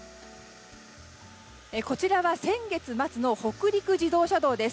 こちらは先月末の北陸自動車道です。